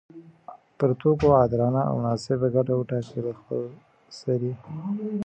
پر توکو عادلانه او مناسب ګټه وټاکي له خپلسري